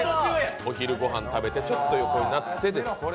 お昼ご飯食べてちょっと横になって。